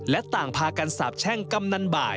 และต่างพากันสาบแช่งกำนันบ่าย